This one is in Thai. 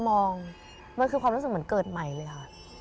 มองมันคือความรู้สึกเหมือนเกิดใหม่เลยค่ะ